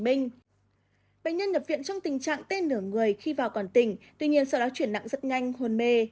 bệnh nhân nhập viện trong tình trạng tê nửa người khi vào quản tình tuy nhiên sợ đã chuyển nặng rất nhanh hồn mê